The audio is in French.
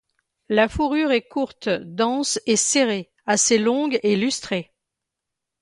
La fourrure est courte, dense et serrée, assez longue et lustrée.